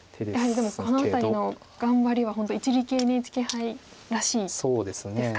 でもこの辺りの頑張りは本当一力ＮＨＫ杯らしいですか。